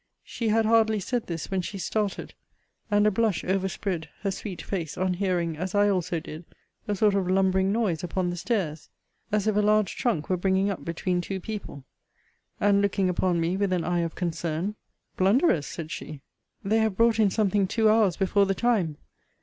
She had hardly said this, when she started, and a blush overspread her sweet face, on hearing, as I also did, a sort of lumbering noise upon the stairs, as if a large trunk were bringing up between two people: and, looking upon me with an eye of concern, Blunderers! said she, they have brought in something two hours before the time.